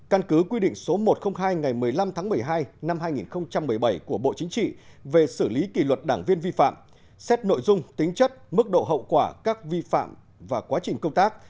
căn cứ quy định số một trăm linh hai ngày một mươi năm tháng một mươi hai năm hai nghìn một mươi bảy của bộ chính trị về xử lý kỷ luật đảng viên vi phạm xét nội dung tính chất mức độ hậu quả các vi phạm và quá trình công tác